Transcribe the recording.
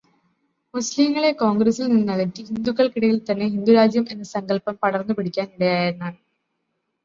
മുസ്ലിങ്ങളെ കോണ്ഗ്രസില് നിന്നകറ്റി ഹിന്ദുക്കള്ക്കിടയില് തന്നെ ഹിന്ദുരാജ്യം എന്ന സങ്കല്പം പടര്ന്നു പിടിക്കാന് ഇടയായെന്നാണ്.